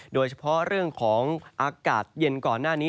โดยเฉพาะเรื่องของอากาศเย็นก่อนหน้านี้